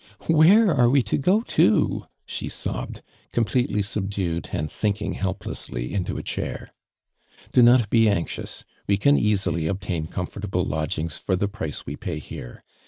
" Where are we to go to?" she sobbed, completely subdued and sinking helplessly into a chair. •' Do not be anxious ! We can easily ob tain comfortable lodgings for the price we pay here.